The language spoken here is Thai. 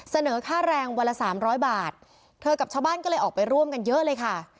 เสนอค่าแรงวันละสามร้อยบาทเธอกับชาวบ้านก็เลยออกไปร่วมกันเยอะเลยค่ะ